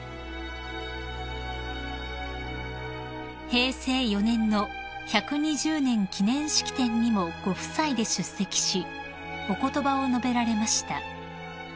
［平成４年の１２０年記念式典にもご夫妻で出席しお言葉を述べられました］